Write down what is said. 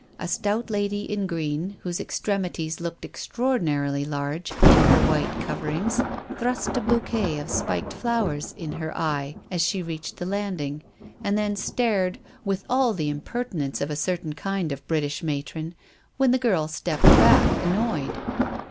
A stout lady in green, whose extremities looked extraordinarily large in their white coverings, thrust a bouquet of spiked flowers in her eye as she reached the landing, and then stared, with all the imper tinence of a certain kind of British matron, when the girl stepped back annoyed.